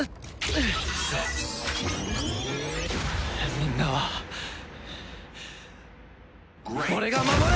みんなは俺が守る！